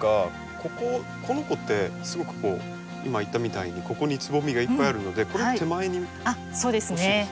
この子ってすごく今言ったみたいにここにつぼみがいっぱいあるのでこれ手前に欲しいですよね。